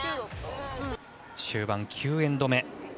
終盤９エンド目。